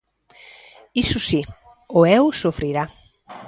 Iso si, o Eo sufrirá.